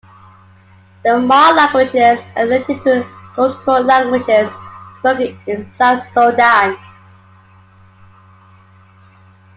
The Maa languages are related to the Lotuko languages spoken in South Sudan.